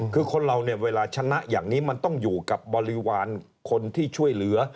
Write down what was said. คือคนเราเนี่ยเวลาชนะอย่างนี้มันต้องอยู่กับบริวารคนที่ช่วยเหลือ